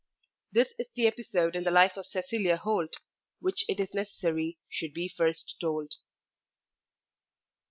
This is the episode in the life of Cecilia Holt which it is necessary should be first told.